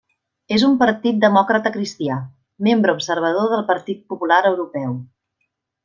És un partit demòcrata cristià, membre observador del Partit Popular Europeu.